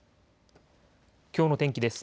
きょうの天気です。